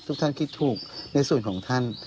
ทุกท่านคิดถูกในส่วนของท่าน